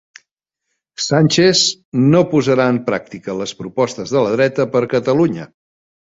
Sánchez no posarà en pràctica les propostes de la dreta per Catalunya